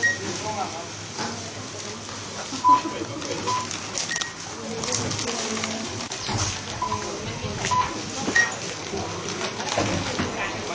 ราชินิทรัพย์แห่งรุม